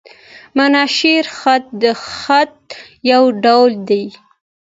مناشیر خط؛ د خط یو ډول دﺉ.